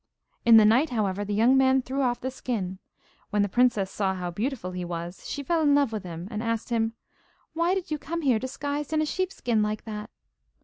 In the night, however, the young man threw off the skin. When the princess saw how beautiful he was, she fell in love with him, and asked him: 'Why did you come here disguised in a sheepskin like that?